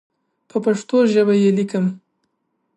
په پښتو ژبه یې لیکم.